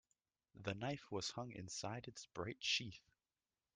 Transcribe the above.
The knife was hung inside its bright sheath.